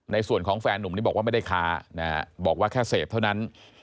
ในส่วนของแฟนนุ่มนี้บอกว่าไม่ได้ค้าบอกว่าแค่เสพเท่านั้น